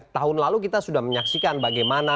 tahun lalu kita sudah menyaksikan bagaimana